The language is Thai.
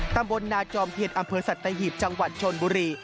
ตั้งบนนาจอมเทียดอำเภอสัตว์ไฮีบจังหวัดชนบุรี